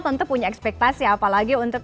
tentu punya ekspektasi apalagi untuk